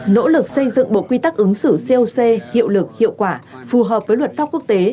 nỗ lực xây dựng bộ quy tắc ứng xử coc hiệu lực hiệu quả phù hợp với luật pháp quốc tế